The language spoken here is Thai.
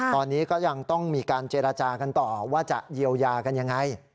ตอนนี้ก็ยังต้องมีการเจรจากันต่อว่าจะเยียวยากันยังไง